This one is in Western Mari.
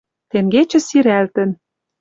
Тенгечӹ сирӓлтӹн.